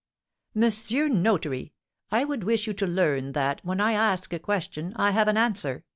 "Monsieur Notary! I would wish you to learn that, when I ask a question, I have an answer!"